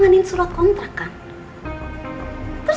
kamu mau ganti kontrak itu